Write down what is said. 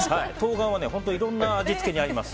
冬瓜はいろんな味付けに合います。